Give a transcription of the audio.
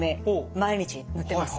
毎日塗ってます。